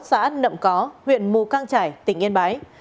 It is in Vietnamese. xã nậm có huyện mù căng trải tỉnh yên bái